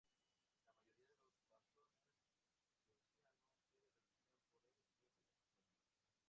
La mayoría de los bastones prusianos se regían por el mismo diseño.